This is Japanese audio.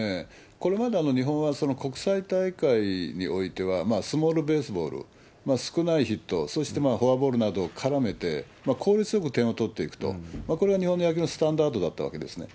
これまで日本は、国際大会においては、スモールベースボール、少ないヒット、そしてフォアボールなどを絡めて、効率よく点を取っていくと、これが日本の野球のスタンダードだったわけですね。